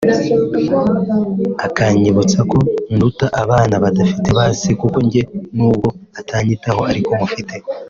akanyibutsa ko nduta abana badafite ba se kuko njye n’ubwo atanyitaho ariko mufite